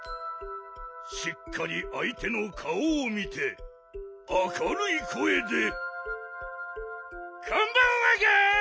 しっかりあい手のかおを見てあかるいこえでこんばんはガン！